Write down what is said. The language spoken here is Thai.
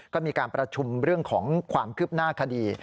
ก็มีการประชุมเรื่องของความคืบหน้าคดี